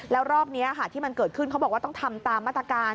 แล้วรอบนี้ที่มันเกิดขึ้นเขาบอกว่าต้องทำตามมาตรการ